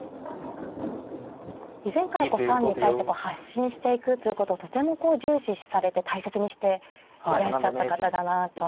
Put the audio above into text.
以前からこうファンに対して発信していくということをとてもこう重視されて大切にしていらっしゃった方だなと。